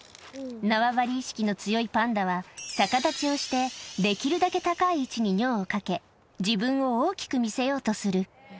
縄張り意識の強いパンダは、逆立ちをしてできるだけ高い位置に尿をかけ、自分を大きく見せようとする。